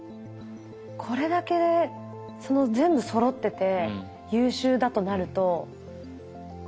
これだけ全部そろってて優秀だとなると。